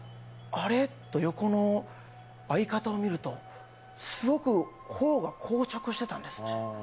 あれ？と横の相方を見るとすごく頬がこう着してたんですね。